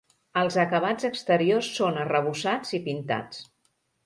Els acabats exteriors són arrebossats i pintats.